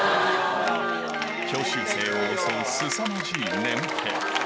教習生を襲うすさまじい眠気。